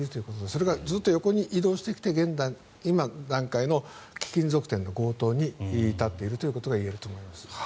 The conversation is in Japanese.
それがずっと横に移動してきて今の段階の貴金属店の強盗に至っているということが言えると思います。